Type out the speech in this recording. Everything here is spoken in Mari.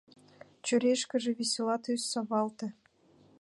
Чурийышкыже весела тӱс савалте.